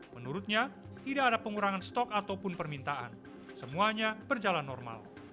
menurutnya tidak ada pengurangan stok ataupun permintaan semuanya berjalan normal